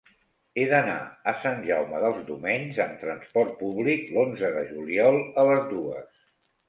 He d'anar a Sant Jaume dels Domenys amb trasport públic l'onze de juliol a les dues.